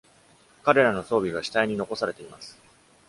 彼らの装備が死体に残されています。